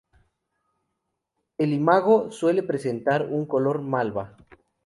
El imago Suele presentar un color malva.